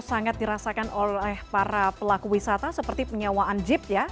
sangat dirasakan oleh para pelaku wisata seperti penyewaan jeep ya